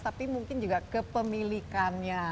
tapi mungkin juga kepemilikannya